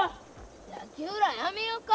野球らやめよか。